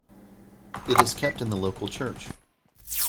It is kept in the local church.